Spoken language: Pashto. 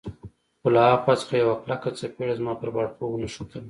خو له ها خوا څخه یوه کلکه څپېړه زما پر باړخو ونښتله.